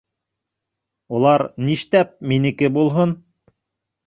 Улар ништәп минеке булһын?!